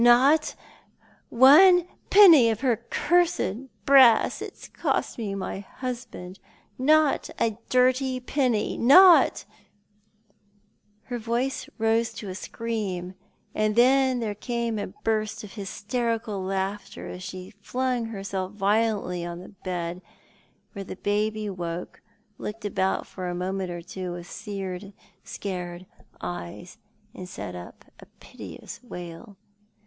" Not one penny of her cursed brass. It's cost me my husband. Not a dirty penny— not " Her voice rose to a scream, and then there came a burst of hysterical laughter, as she flung herself violently on the bed, where the baby woke, looked about for a moment or two with scared eyes, and set up a piteous wail.